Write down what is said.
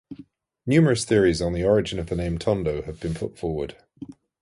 Numerous theories on the origin of the name "Tondo" have been put forward.